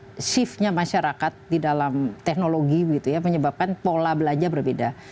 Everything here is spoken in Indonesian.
jadi ada indikasi bahwa shift nya masyarakat di dalam teknologi menyebabkan pola belanja berbeda